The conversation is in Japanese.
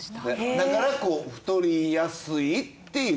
だからこう太りやすいっていう。